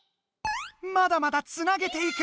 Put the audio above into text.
まだまだつなげていく！